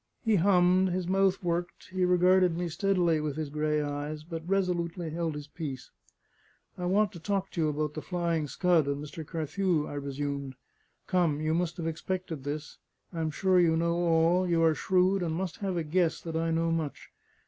He hummed, his mouth worked, he regarded me steadily with his gray eyes, but resolutely held his peace. "I want to talk to you about the Flying Scud and Mr. Carthew," I resumed. "Come: you must have expected this. I am sure you know all; you are shrewd, and must have a guess that I know much.